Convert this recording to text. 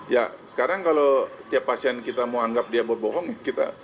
ya sekarang kalau tiap pasien kita mau anggap dia berbohong ya